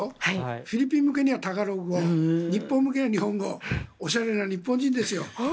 フィリピン向けにはタガログ語日本向けには日本語おしゃれな日本人です。